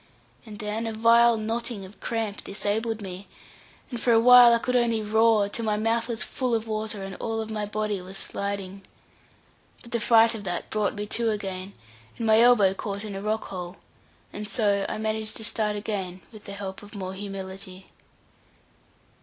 And then a vile knotting of cramp disabled me, and for awhile I could only roar, till my mouth was full of water, and all of my body was sliding. But the fright of that brought me to again, and my elbow caught in a rock hole; and so I managed to start again, with the help of more humility.